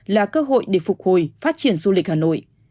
là cơ hội để phục hồi phát triển du lịch hà nội